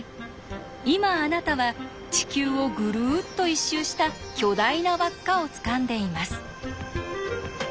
今あなたは地球をぐるっと一周した巨大な輪っかをつかんでいます。